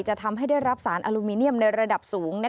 จะทำให้ได้รับสารอลูมิเนียมในระดับสูง